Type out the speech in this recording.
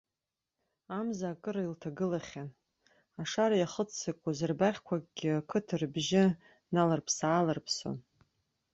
Амза акыр илҭагьалахьан, ашара иахыццакуаз рбаӷьқәакгьы ақыҭа рыбжьы наларԥса-ааларԥсон.